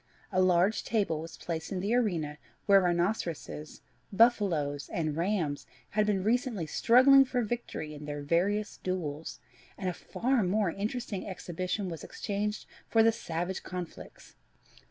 A large table was placed in the arena where rhinoceros, buff aloes, and rams had been recently struggling for victory in their various duels, and a far more entertaining exhibition was exchanged for the savage conflicts....